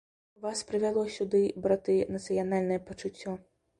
Вас прывяло сюды, браты, нацыянальнае пачуццё.